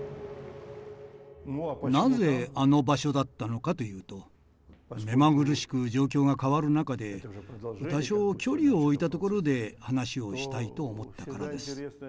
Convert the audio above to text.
なぜあの場所だったのかというと目まぐるしく状況が変わる中で多少距離を置いた所で話をしたいと思ったからです。